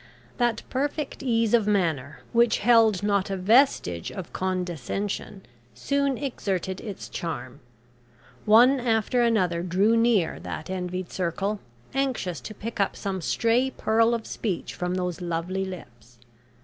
That perfect ease of manner, which held not a vestige of condescension, soon exerted its charm. One after another drew near that envied circle, anxious to pick up some stray pearl of speech from those lovely lips.